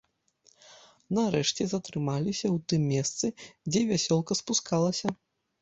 Нарэшце затрымаліся ў тым месцы, дзе вясёлка спускалася.